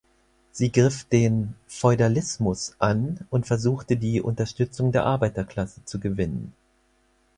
Sie griff den „Feudalismus“ an und versuchte die Unterstützung der Arbeiterklasse zu gewinnen.